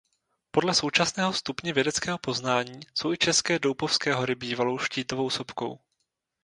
Podle současného stupně vědeckého poznání jsou i české Doupovské hory bývalou štítovou sopkou.